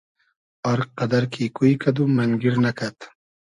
آر قئدئر کی کوی کئدوم مئنگیر نئکئد